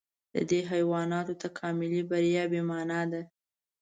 د دې حیواناتو تکاملي بریا بې مانا ده.